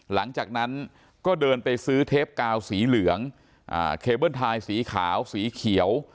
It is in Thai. หลังจากนั้นก็เดินไปซื้อเทปกาวสีเหลืองเคเบิ้ลทายสีขาวสีเขียว